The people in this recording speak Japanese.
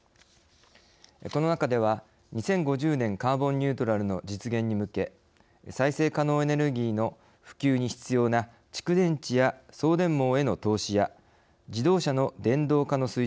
この中では２０５０年カーボンニュートラルの実現に向け再生可能エネルギーの普及に必要な蓄電池や送電網への投資や自動車の電動化の推進を図ること。